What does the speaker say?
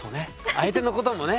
相手のこともね。